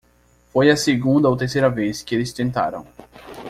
Foi a segunda ou terceira vez que eles tentaram.